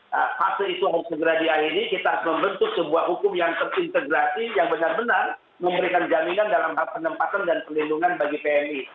nah fase itu harus segera dia ini kita harus membentuk sebuah hukum yang terintegrasi yang benar benar memberikan jaminan dalam hal penempatan dan pelindungan bagi pmi